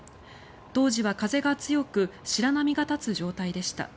当時は風が強く白波が立つ状態でした。